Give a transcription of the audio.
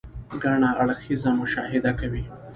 ګڼ اړخيزه مشاهده کوئ -